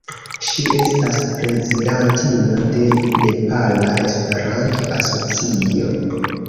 Ŝi estas prezidantino de Nepala Esperanto-Asocio.